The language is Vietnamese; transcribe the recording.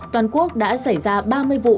toàn quốc đã xảy ra ba mươi vụ